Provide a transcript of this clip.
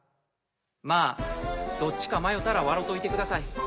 まぁどっちか迷たら笑といてください。